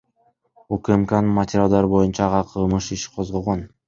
УКМКнын материалдары боюнча ага кылмыш иши козголгон.